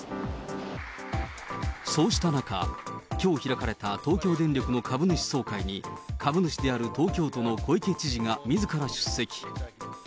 そうした中、きょう開かれた東京電力の株主総会に、株主である、東京都の小池知事がみずから出席。